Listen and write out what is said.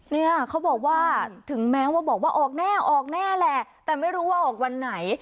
เนี่ยเขาบอกว่าถึงแม้ว่าบอกว่าออกแน่ออกแน่แหละแต่ไม่รู้ว่าออกวันไหน